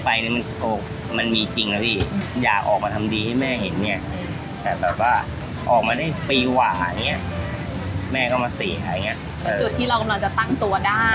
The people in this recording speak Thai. แต่จุดที่เรากำลังจะตั้งตัวได้